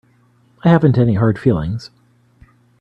I haven't any hard feelings.